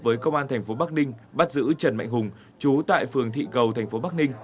với công an thành phố bắc ninh bắt giữ trần mạnh hùng chú tại phường thị cầu thành phố bắc ninh